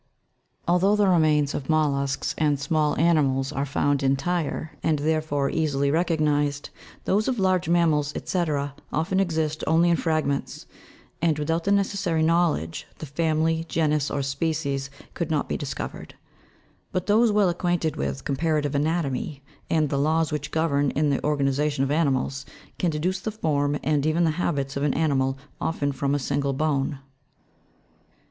19. Although the remains of mollusks and small animals are found entire, and therefore easily recognised, those of large mam mals, &c., often exist only in fragments ; and, without the neces sary knowledge, the family, genus, or species, could not be dis covered. But those well acquainted with comparative anatomy, and the laws which govern in the organization of animals, can deduce the form, and even the habits of an animal, often from a single bone.